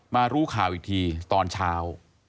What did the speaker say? รู้ข่าวอีกทีตอนเช้า